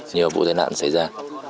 nhiều vụ giai đoạn xảy ra